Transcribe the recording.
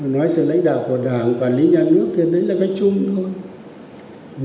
nói sự lãnh đạo của đảng quản lý nhà nước thì đấy là cái chung thôi